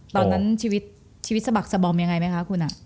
ตอนนั้นชีวิตสะบักสะบอมยังไงไหมคะคุณ